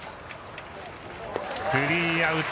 スリーアウト。